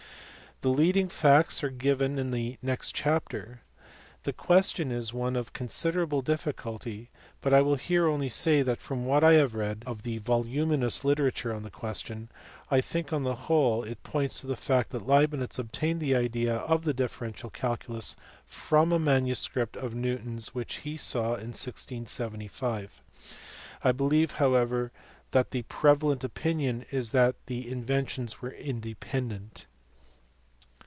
The leading facts are given in the next chapter. The question is one of considerable difficulty, but I will here only say that from what I have read of the voluminous literature on the question, I think on the whole it points to the fact that Leibnitz obtained the idea of the differential calculus from a manuscript of Newton s which he saw in 1675. I believe how ever that the prevalent opinion is that the inventions were independent.